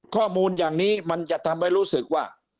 ข้อมูลอย่างนี้มันจะทำให้รู้สึกว่า